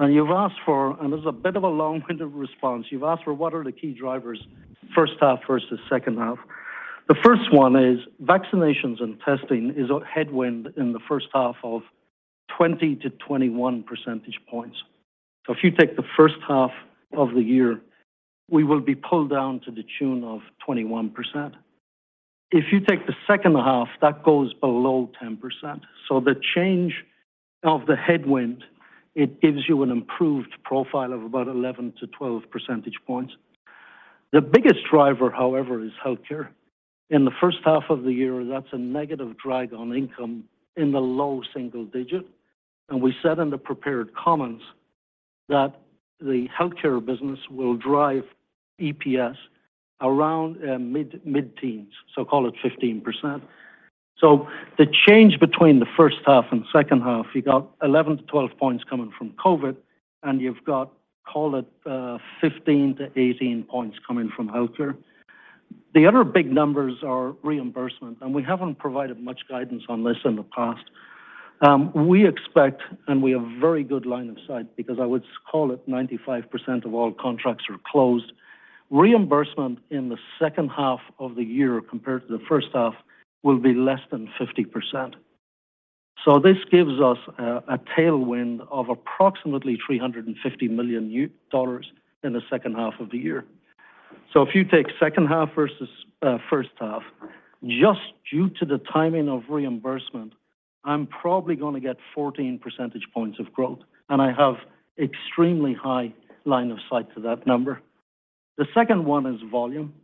You've asked for, and this is a bit of a long-winded response, you've asked for what are the key drivers first half versus second half. The first one is vaccinations and testing is a headwind in the first half of 20-21 percentage points. If you take the first half of the year, we will be pulled down to the tune of 21%. If you take the second half, that goes below 10%. The change of the headwind, it gives you an improved profile of about 11-12 percentage points. The biggest driver, however, is healthcare. In the first half of the year, that's a negative drag on income in the low single digit. We said in the prepared comments that the healthcare business will drive EPS around mid-teens, so call it 15%. The change between the first half and second half, you got 11-12 points coming from COVID, and you've got, call it, 15-18 points coming from healthcare. The other big numbers are reimbursement, and we haven't provided much guidance on this in the past. We expect, we have very good line of sight because I would call it 95% of all contracts are closed. Reimbursement in the second half of the year compared to the first half will be less than 50%. This gives us a tailwind of approximately $350 million in the second half of the year. If you take second half versus first half, just due to the timing of reimbursement, I'm probably gonna get 14 percentage points of growth, and I have extremely high line of sight to that number. The second one is volume.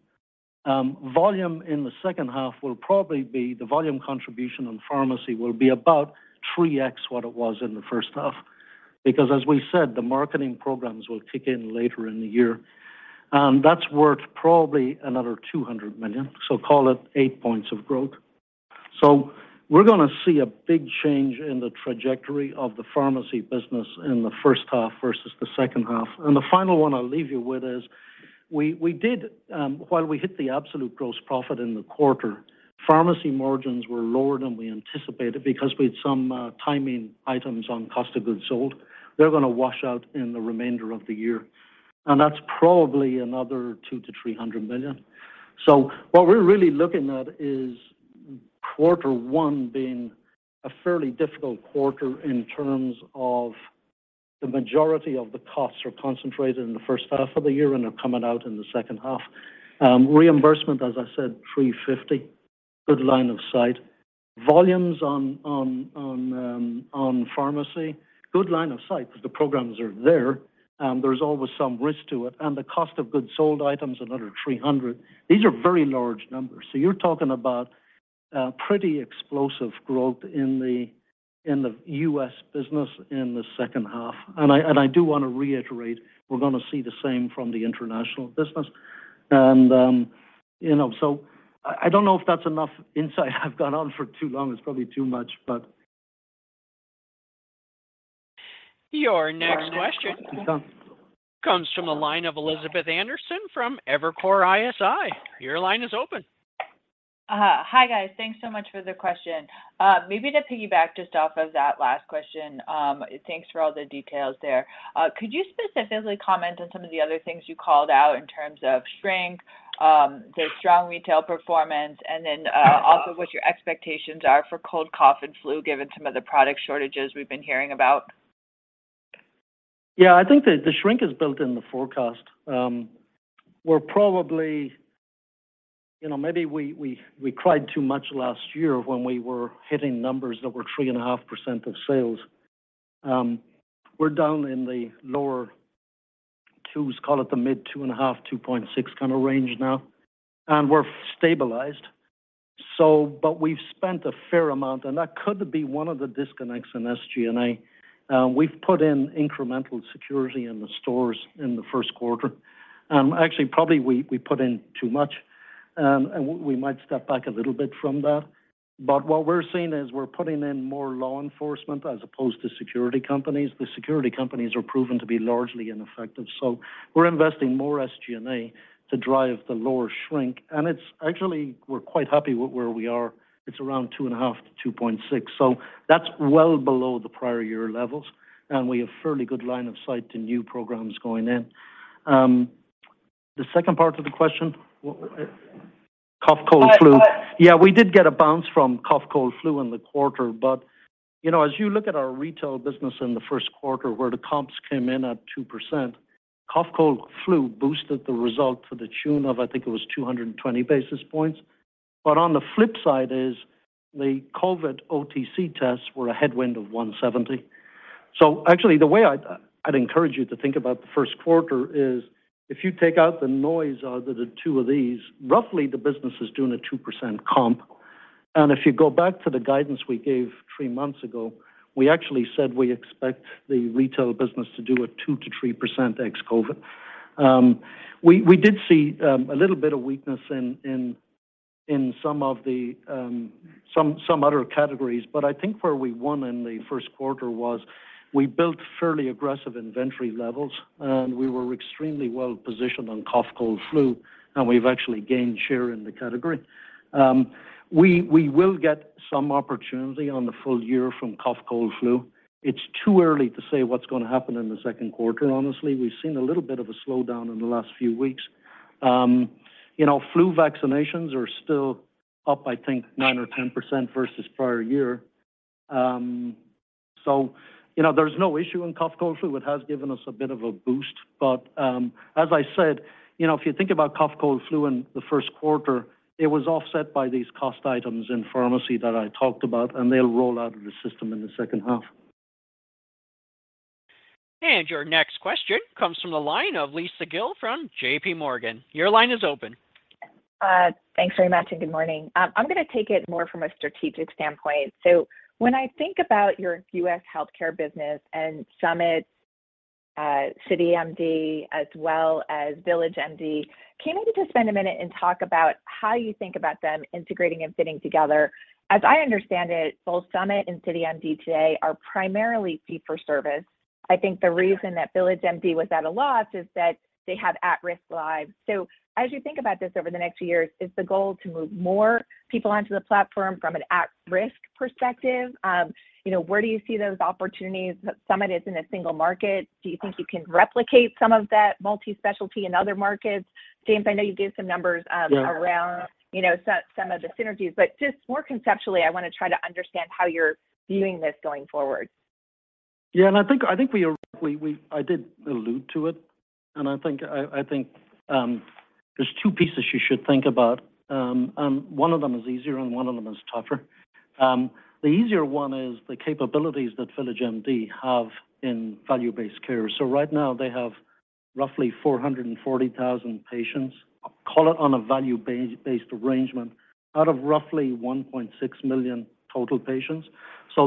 Volume in the second half will probably be the volume contribution on pharmacy will be about 3x what it was in the first half because as we said, the marketing programs will kick in later in the year. That's worth probably another $200 million, call it eight points of growth. We're going to see a big change in the trajectory of the pharmacy business in the first half versus the second half. The final one I'll leave you with is we did, while we hit the absolute gross profit in the quarter, pharmacy margins were lower than we anticipated because we had some timing items on cost of goods sold. They're going to wash out in the remainder of the year, that's probably another $200 million-$300 million. What we're really looking at is quarter one being a fairly difficult quarter in terms of the majority of the costs are concentrated in the first half of the year and are coming out in the second half. Reimbursement, as I said, $350, good line of sight. Volumes on pharmacy, good line of sight because the programs are there's always some risk to it. The cost of goods sold items, another $300. These are very large numbers. You're talking about pretty explosive growth in the, in the U.S. business in the second half. I do wanna reiterate, we're gonna see the same from the international business. you know, I don't know if that's enough insight. I've gone on for too long. It's probably too much, but... Your next question comes from the line of Elizabeth Anderson from Evercore ISI. Your line is open. Hi guys. Thanks so much for the question. Maybe to piggyback just off of that last question, thanks for all the details there. Could you specifically comment on some of the other things you called out in terms of shrink, the strong retail performance, and then, also what your expectations are for cold, cough, and flu, given some of the product shortages we've been hearing about? Yeah. I think the shrink is built in the forecast. You know, maybe we cried too much last year when we were hitting numbers that were 3.5% of sales. We're down in the lower two, call it the mid 2.5, 2.6 kind of range now, and we're stabilized. But we've spent a fair amount, and that could be one of the disconnects in SG&A. We've put in incremental security in the stores in the first quarter. Actually, probably we put in too much, and we might step back a little bit from that. But what we're seeing is we're putting in more law enforcement as opposed to security companies. The security companies are proven to be largely ineffective, so we're investing more SG&A to drive the lower shrink. Actually, we're quite happy with where we are. It's around 2.5-2.6. That's well below the prior year levels. We have fairly good line of sight to new programs going in. The second part of the question, was it cough, cold, flu? Yeah, we did get a bounce from cough, cold, flu in the quarter. you know, as you look at our retail business in the first quarter where the comps came in at 2%, cough, cold, flu boosted the result to the tune of, I think it was 220 basis points. On the flip side is the COVID OTC tests were a headwind of 170. Actually, the way I'd encourage you to think about the first quarter is if you take out the noise out of the two of these, roughly the business is doing a 2% comp. If you go back to the guidance we gave three months ago, we actually said we expect the retail business to do a 2%-3% ex-COVID. We did see a little bit of weakness in some other categories. I think where we won in the first quarter was we built fairly aggressive inventory levels, and we were extremely well-positioned on cough, cold, and flu, and we've actually gained share in the category. We will get some opportunity on the full year from cough, cold, and flu. It's too early to say what's gonna happen in the second quarter, honestly. We've seen a little bit of a slowdown in the last few weeks. You know, flu vaccinations are still up, I think, 9% or 10% versus prior year. You know, there's no issue in cough, cold, flu. It has given us a bit of a boost. As I said, you know, if you think about cough, cold, flu in the first quarter, it was offset by these cost items in pharmacy that I talked about, and they'll roll out of the system in the second half. Your next question comes from the line of Lisa Gill from JPMorgan. Your line is open. Thanks very much, good morning. I'm gonna take it more from a strategic standpoint. When I think about your U.S. Healthcare business and Summit, CityMD, as well as VillageMD, can you maybe just spend a minute and talk about how you think about them integrating and fitting together? As I understand it, both Summit and CityMD today are primarily fee-for-service. I think the reason that VillageMD was at a loss is that they have at-risk lives. As you think about this over the next few years, is the goal to move more people onto the platform from an at-risk perspective? You know, where do you see those opportunities? Summit is in a single market. Do you think you can replicate some of that multi-specialty in other markets? James, I know you gave some numbers. Yeah. -around, you know, some of the synergies. Just more conceptually, I wanna try to understand how you're viewing this going forward. Yeah. I think, I think I did allude to it, and I think there's two pieces you should think about. One of them is easier, and one of them is tougher. The easier one is the capabilities that VillageMD have in value-based care. Right now, they have roughly 440,000 patients, call it on a value-based arrangement, out of roughly 1.6 million total patients.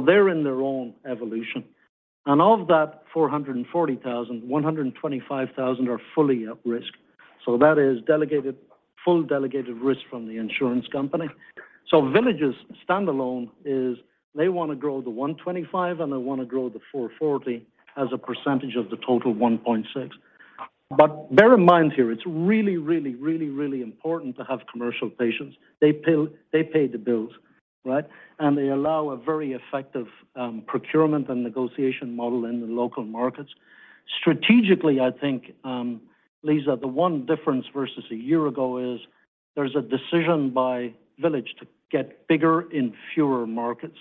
They're in their own evolution. And of that 440,000, 125,000 are fully at risk. That is full delegated risk from the insurance company. Village's standalone is they wanna grow the 125 and they wanna grow the 440 as a percentage of the total 1.6. Bear in mind here, it's really important to have commercial patients. They pay the bills, right they allow a very effective procurement and negotiation model in the local markets. Strategically, I think Lisa, the one difference versus a year ago is there's a decision by Village to get bigger in fewer markets.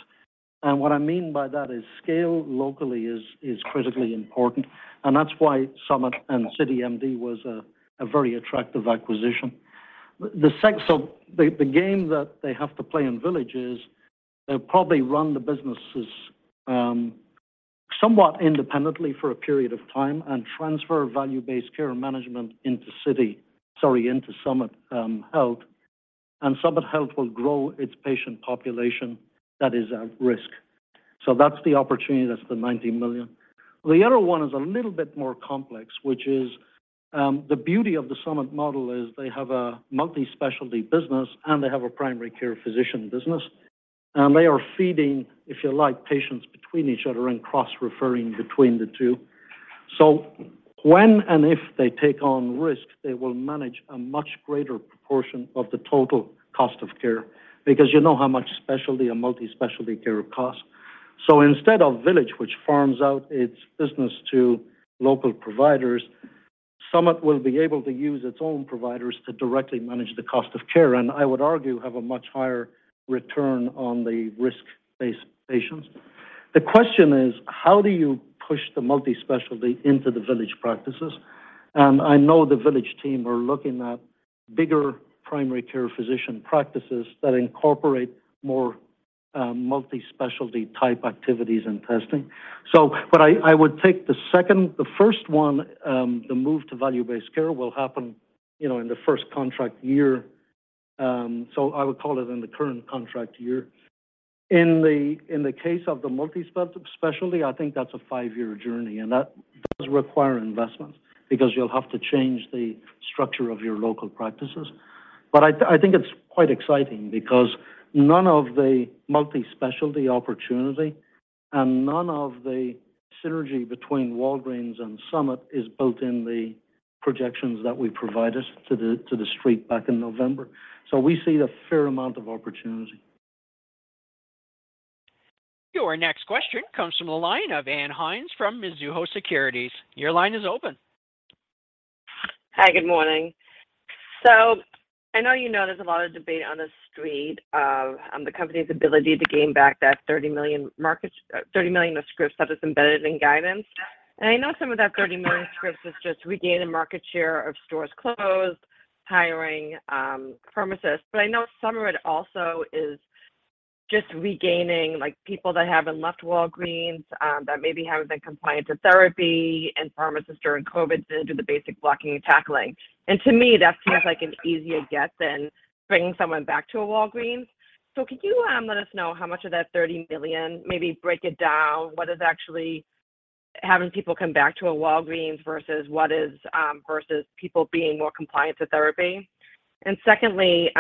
What I mean by that is scale locally is critically important. And that's why Summit and CityMD was a very attractive acquisition. The game that they have to play in Village is they'll probably run the businesses somewhat independently for a period of time and transfer value-based care management into Summit Health. Summit Health will grow its patient population that is at risk. That's the opportunity, that's the $90 million. The other one is a little bit more complex, which is, the beauty of the Summit model is they have a multi-specialty business, and they have a primary care physician business. They are feeding, if you like, patients between each other and cross-referring between the two. When and if they take on risk, they will manage a much greater proportion of the total cost of care because you know how much specialty a multi-specialty care costs. Instead of Village, which farms out its business to local providers, Summit will be able to use its own providers to directly manage the cost of care, and I would argue, have a much higher return on the risk-based patients. The question is how do you push the multi-specialty into the Village practices? I know the Village team are looking at bigger primary care physician practices that incorporate more multi-specialty type activities and testing. I would take The first one, the move to value-based care will happen, you know, in the first contract year. I would call it in the current contract year. In the case of the multi-specialty, I think that's a five-year journey, and that does require investment because you'll have to change the structure of your local practices. I think it's quite exciting because none of the multi-specialty opportunity and none of the synergy between Walgreens and Summit is built in the projections that we provided to the street back in November. We see a fair amount of opportunity. Your next question comes from the line of Ann Hynes from Mizuho Securities. Your line is open. Hi. Good morning. I know you know there's a lot of debate on the street of the company's ability to gain back that 30 million scripts that is embedded in guidance. I know some of that 30 million scripts is just regaining market share of stores closed, hiring pharmacists. I know some of it also is just regaining, like, people that haven't left Walgreens, that maybe haven't been compliant to therapy and pharmacists during COVID didn't do the basic blocking and tackling. To me, that seems like an easier get than bringing someone back to a Walgreens. Could you let us know how much of that 30 million, maybe break it down, what is actually having people come back to a Walgreens versus what is versus people being more compliant to therapy? Secondly,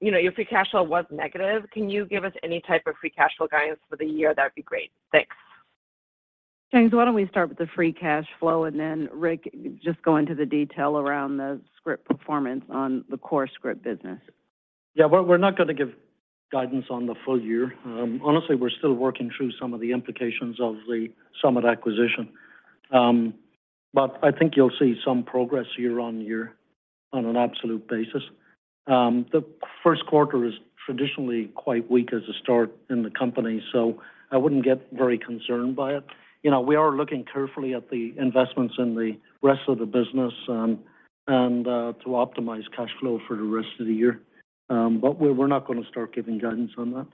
you know, your free cash flow was negative. Can you give us any type of free cash flow guidance for the year? That'd be great. Thanks. James, why don't we start with the free cash flow, and then Rick, just go into the detail around the script performance on the core script business. Yeah. We're not gonna give guidance on the full year. Honestly, we're still working through some of the implications of the Summit acquisition. I think you'll see some progress year-on-year on an absolute basis. The first quarter is traditionally quite weak as a start in the company, I wouldn't get very concerned by it. You know, we are looking carefully at the investments in the rest of the business to optimize cash flow for the rest of the year. We're not gonna start giving guidance on that.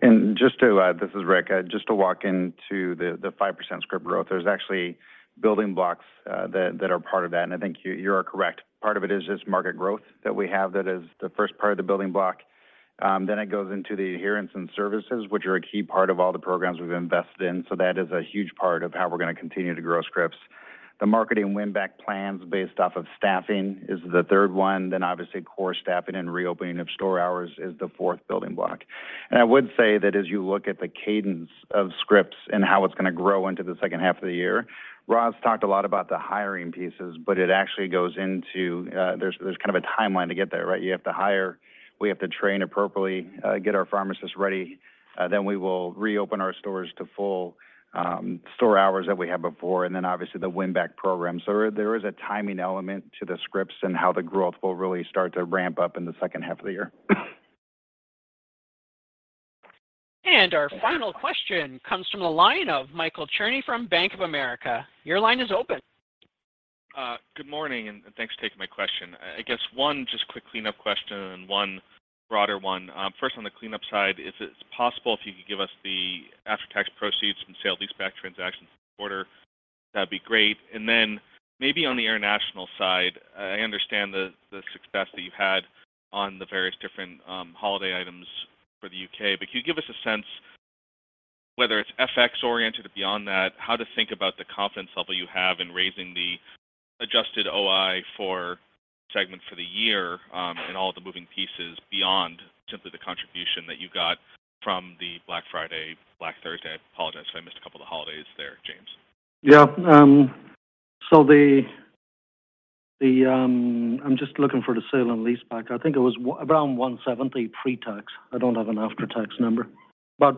This is Rick. Just to walk into the 5% script growth. There's actually building blocks that are part of that, and I think you are correct. Part of it is just market growth that we have. That is the first part of the building block. Then it goes into the adherence and services, which are a key part of all the programs we've invested in. That is a huge part of how we're gonna continue to grow scripts. The marketing win-back plans based off of staffing is the third one. Obviously, core staffing and reopening of store hours is the fourth building block. I would say that as you look at the cadence of scripts and how it's gonna grow into the second half of the year, Roz talked a lot about the hiring pieces, but it actually goes into. There's kind of a timeline to get there, right? You have to hire, we have to train appropriately, get our pharmacists ready. Then we will reopen our stores to full store hours that we had before and then obviously the win-back program. There is a timing element to the scripts and how the growth will really start to ramp up in the second half of the year. Our final question comes from the line of Michael Cherny from Bank of America. Your line is open. Good morning, thanks for taking my question. I guess one just quick cleanup question and one broader one. First on the cleanup side, if it's possible if you could give us the after-tax proceeds from sale-leaseback transactions quarter. That'd be great. Then maybe on the international side, I understand the success that you've had on the various different holiday items for the U.K. Could you give us a sense whether it's FX oriented or beyond that, how to think about the confidence level you have in raising the adjusted OI for segments for the year, and all the moving pieces beyond simply the contribution that you got from the Black Friday, Black Thursday. I apologize if I missed a couple of holidays there, James. Yeah. I'm just looking for the sale-leaseback. I think it was around $170 pre-tax. I don't have an after-tax number. On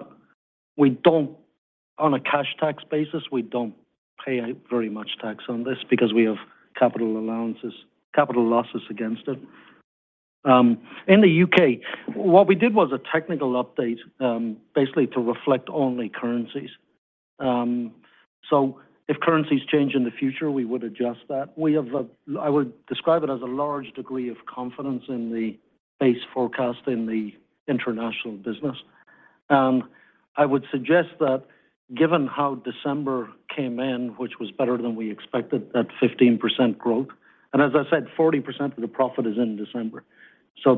a cash tax basis, we don't pay very much tax on this because we have capital allowances, capital losses against it. In the U.K., what we did was a technical update, basically to reflect only currencies. If currencies change in the future, we would adjust that. We have I would describe it as a large degree of confidence in the base forecast in the international business. I would suggest that given how December came in, which was better than we expected, that 15% growth, and as I said, 40% of the profit is in December.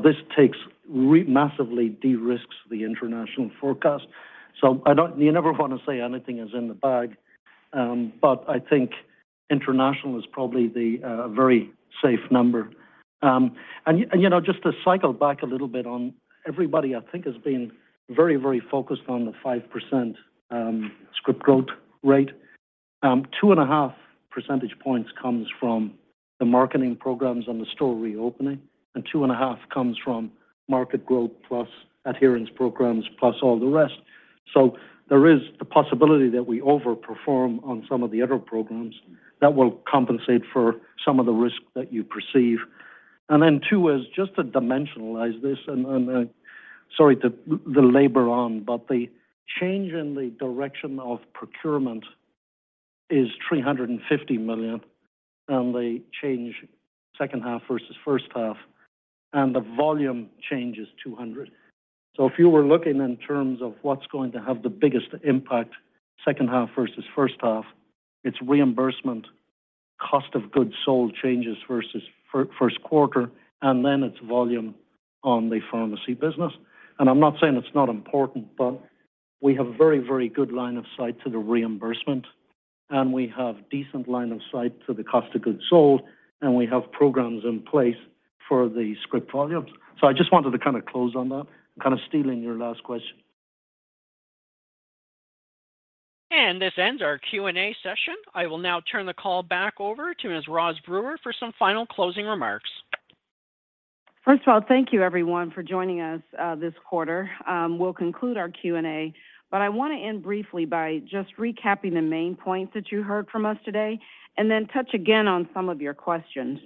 This takes massively de-risks the international forecast. You never wanna say anything is in the bag, but I think international is probably a very safe number. You know, just to cycle back a little bit on everybody I think has been very, very focused on the 5% script growth rate. 2.5 percentage points comes from the marketing programs and the store reopening, and 2.5 comes from market growth plus adherence programs, plus all the rest. There is the possibility that we overperform on some of the other programs that will compensate for some of the risk that you perceive. Then two is just to dimensionalize this, sorry to labor on, but the change in the direction of procurement is $350 million, and the change second half versus first half, and the volume change is $200. If you were looking in terms of what's going to have the biggest impact second half versus first half, it's reimbursement, cost of goods sold changes versus first quarter, and then it's volume on the pharmacy business. I'm not saying it's not important, but we have a very, very good line of sight to the reimbursement, and we have decent line of sight to the cost of goods sold, and we have programs in place for the script volumes. I just wanted to kind of close on that, kind of stealing your last question. This ends our Q&A session. I will now turn the call back over to Ms. Roz Brewer for some final closing remarks. First of all, thank you everyone for joining us this quarter. We'll conclude our Q&A, I wanna end briefly by just recapping the main points that you heard from us today and then touch again on some of your questions.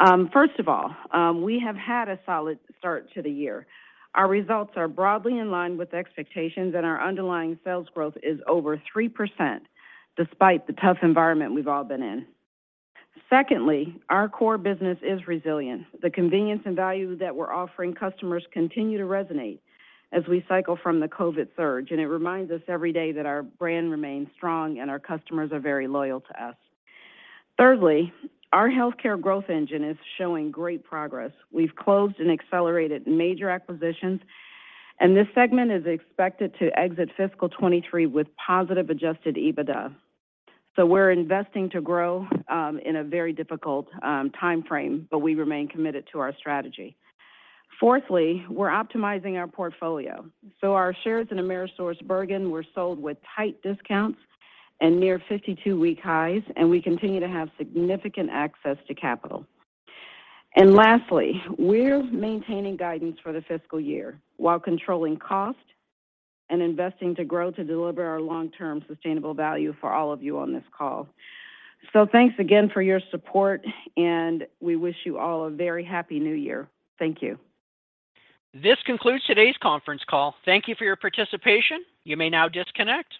We have had a solid start to the year. Our results are broadly in line with expectations, our underlying sales growth is over 3% despite the tough environment we've all been in. Secondly, our core business is resilient. The convenience and value that we're offering customers continue to resonate as we cycle from the COVID surge, it reminds us every day that our brand remains strong and our customers are very loyal to us. Thirdly, our healthcare growth engine is showing great progress. We've closed and accelerated major acquisitions, and this segment is expected to exit fiscal 2023 with positive adjusted EBITDA. We're investing to grow in a very difficult timeframe, but we remain committed to our strategy. Fourthly, we're optimizing our portfolio. Our shares in AmerisourceBergen were sold with tight discounts and near 52-week highs, and we continue to have significant access to capital. Lastly, we're maintaining guidance for the fiscal year while controlling cost and investing to grow to deliver our long-term sustainable value for all of you on this call. Thanks again for your support, and we wish you all a very happy New Year. Thank you. This concludes today's conference call. Thank you for your participation. You may now disconnect.